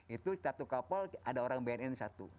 itu satu kapal ada orang bnn satu